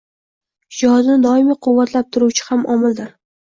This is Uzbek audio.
Shijoatni doimiy quvvatlab turuvchi ham omildir.